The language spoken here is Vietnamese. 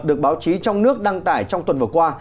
được báo chí trong nước đăng tải trong tuần vừa qua